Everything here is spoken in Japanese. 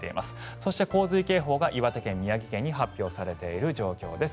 そして洪水警報が岩手県宮城県に発表されています。